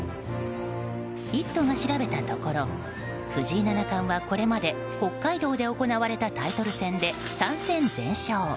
「イット！」が調べたところ藤井七冠はこれまで北海道で行われたタイトル戦で３戦全勝。